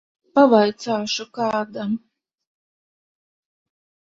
Pavaicāšu kādam.